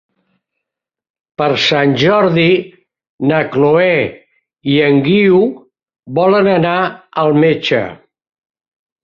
Per Sant Jordi na Chloé i en Guiu volen anar al metge.